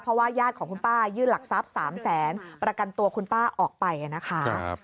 เพราะว่าญาติของคุณป้ายื่นหลักทรัพย์๓แสนประกันตัวคุณป้าออกไปนะคะ